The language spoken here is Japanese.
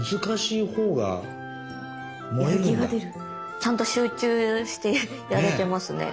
ちゃんと集中してやれてますね